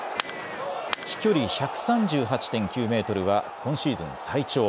飛距離１３８．９メートルは今シーズン最長。